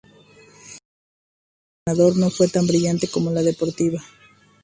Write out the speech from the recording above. Su carrera de entrenador no fue tan brillante como la deportiva.